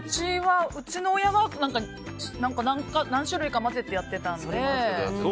うちの親は何種類か混ぜてやってたので。